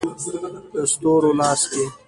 د ستورو لاس کې